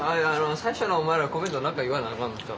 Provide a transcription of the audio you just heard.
最初のお前らコメント何か言わなあかんのちゃう？